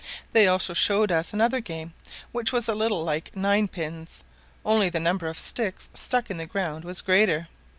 They also showed us another game, which was a little like nine pins, only the number of sticks stuck in the ground was greater.